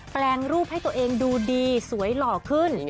แปลงรูปให้ตัวเองดูดีสวยหล่อขึ้น